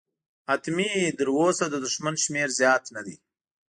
حتمي، تراوسه د دښمن شمېر زیات نه دی.